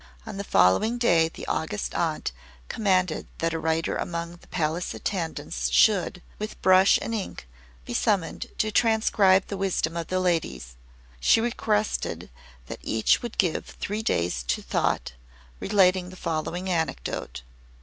On the following day the August Aunt commanded that a writer among the palace attendants should, with brush and ink, be summoned to transcribe the wisdom of the ladies. She requested that each would give three days to thought, relating the following anecdote.